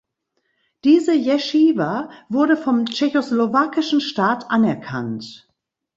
Diese Jeschiwa wurde vom tschechoslowakischen Staat anerkannt.